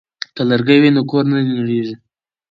که لرګی وي نو کور نه نړیږي.